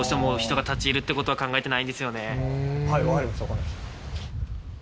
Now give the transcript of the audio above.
はいわかりましたわかりました。